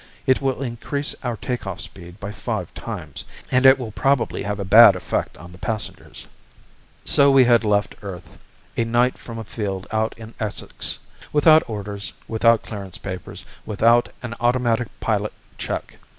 It will increase our take off speed by five times, and it will probably have a bad effect on the passengers." So we had left Earth, at night from a field out in Essex. Without orders, without clearance papers, without an automatic pilot check.